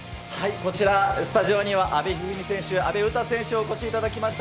こちら、スタジオには阿部一二三選手、阿部詩選手、お越しいただきました。